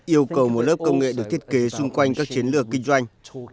yêu cầu một lớp công nghệ được thiết kế xung quanh các chiến lược kinh doanh